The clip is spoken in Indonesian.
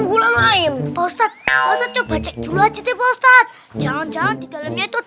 gula main postat coba cek dulu aja deh postat jangan jangan di dalamnya itu